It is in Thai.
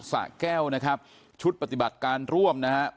สะแก้วนะครับชุดปฏิบัติการร่วมนะครับ